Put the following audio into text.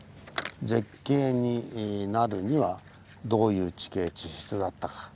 絶景になるにはどういう地形・地質だったか。